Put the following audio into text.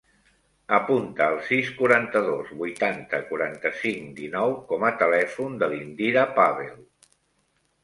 Apunta el sis, quaranta-dos, vuitanta, quaranta-cinc, dinou com a telèfon de l'Indira Pavel.